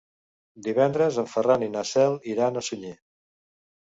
Divendres en Ferran i na Cel iran a Sunyer.